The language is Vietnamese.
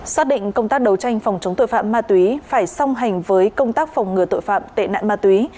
xác định công tác đấu tranh phòng chống tội phạm ma túy phải song hành với công tác phòng ngừa tội phạm tệ nạn ma túy